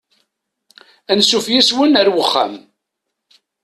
Ansuf yes-wen ar uxxam.